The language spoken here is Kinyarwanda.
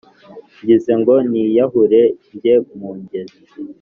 Ngize ngo niyahure njye mu ngezi,